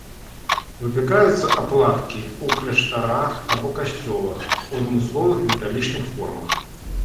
Выпякаюцца аплаткі ў кляштарах або касцёлах у адмысловых металічных формах.